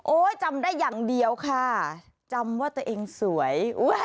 จำได้อย่างเดียวค่ะจำว่าตัวเองสวย